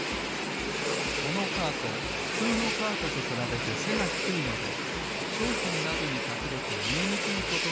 このカートふつうのカートとくらべてせがひくいのでしょうひんなどにかくれてみえにくいことがあります。